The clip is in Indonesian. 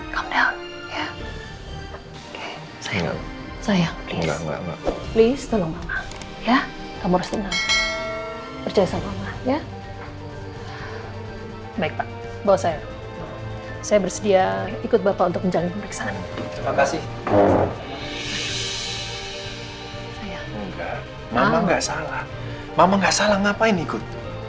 mama gak salah ngapain ikut